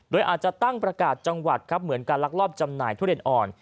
โดยอาจจะตั้งประกาศจังหวัดครับเหมือนการลักลอบจำหน่ายทุเรียนอ่อน